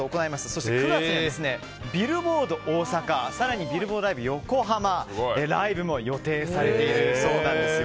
そして９月には、ビルボード大阪更に、ビルボードライブ横浜ライブも予定されているそうです。